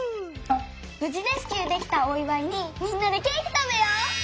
ぶじレスキューできたおいわいにみんなでケーキたべよう。